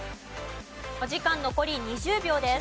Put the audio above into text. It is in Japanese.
お時間残り２０秒です。